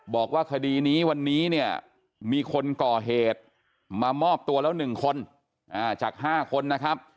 บอกว่าคดีนี้วันนี้เนี่ยมีคนก่อเหตุมามอบตัวแล้ว๑คนจาก๕คนนะครับ